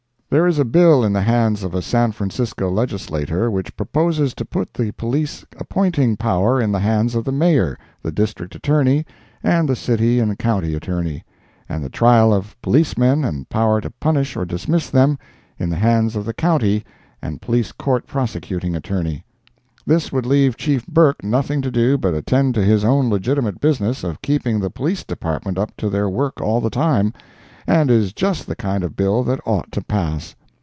There is a bill in the hands of a San Francisco legislator which proposes to put the police appointing power in the hands of the Mayor, the District Attorney, and the city and county attorney; and the trial of policemen and power to punish or dismiss them, in the hands of the county and police court prosecuting attorney. This would leave Chief Burke nothing to do but attend to his own legitimate business of keeping the police department up to their work all the time, and is just the kind of bill that ought to pass.